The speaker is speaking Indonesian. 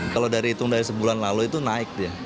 kalau dari hitung dari sebulan lalu itu naik dia